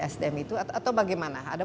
sdm itu atau bagaimana ada